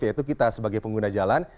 yaitu kita sebagai pengguna jalan